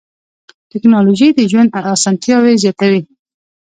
ټکنالوجي د ژوند اسانتیا زیاتوي.